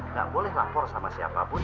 nggak boleh lapor sama siapapun